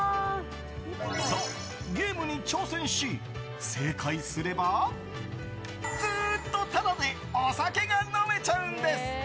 そう、ゲームに挑戦し正解すればずっとタダでお酒が飲めちゃうんです。